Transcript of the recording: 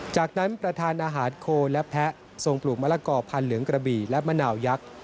จากนั้นประธานอาหารโคและแพะทรงปลูกมะละกอพันธเหลืองกระบี่และมะนาวยักษ์